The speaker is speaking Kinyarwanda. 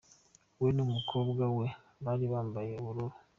We n'umukobwa we bari bambaye ubururu.